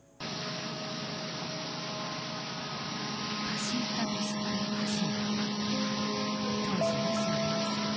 パシータ・ペスタニョ・ハシント当時２７歳。